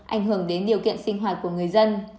ảnh hưởng đến điều kiện sinh hoạt của người dân